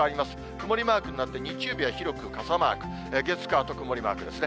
曇りマークになって、日曜日は広く傘マーク、月、火と曇りマークですね。